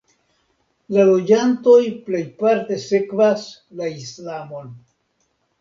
La loĝantoj plejparte sekvas la Islamon.